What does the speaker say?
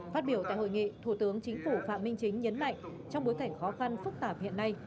phát biểu tại hội nghị thủ tướng chính phủ phạm minh chính nhấn mạnh trong bối cảnh khó khăn phức tạp hiện nay